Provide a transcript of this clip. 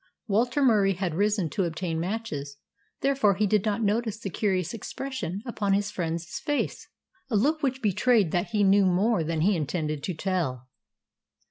Walter Murie had risen to obtain matches, therefore he did not notice the curious expression upon his friend's face, a look which betrayed that he knew more than he intended to tell.